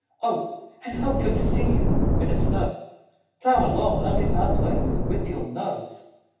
Oh, and how good to see you, when it snows, Plough a long, lovely pathway with your nose!